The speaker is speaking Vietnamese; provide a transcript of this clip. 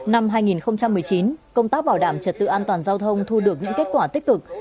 năm hai nghìn một mươi chín công tác bảo đảm trật tự an toàn giao thông thu được những kết quả tích cực